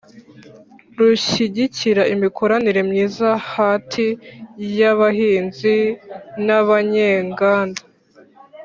rushyigikira imikoranire myiza hati y'abahinzi n'abanyenganda.